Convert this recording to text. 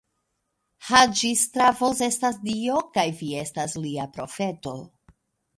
Haĝi-Stavros estas Dio, kaj vi estas lia profeto.